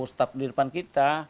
staf di depan kita